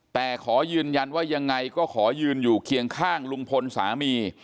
แต่ขอยืนยันว่ายังไงก็ขอยืนอยู่เคียงข้างลุงพลสามี